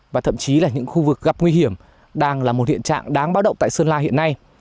và thậm chí là những khu vực gặp nguy hiểm đang là một hiện trạng đáng báo động tại sơn la hiện nay